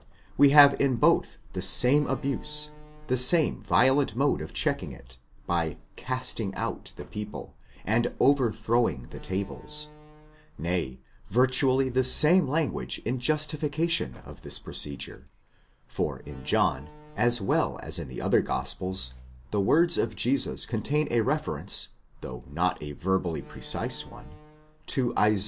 We have in both the same abuse, the same violent mode of checking it, by casting out (ἐκβάλλειν) the people, and over throwing (ἀναστρέφειν) the tables ; nay, virtually, the same language in justi fication of this procedure, for in John, as well as in the other gospels, the words of Jesus contain a reference, though not a verbally precise one, to Isa.